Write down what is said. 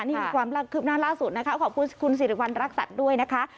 นี่มีความคืบหน้าล่าสุดนะคะขอบคุณคุณสิริวัณรักษัตริย์ด้วยนะคะ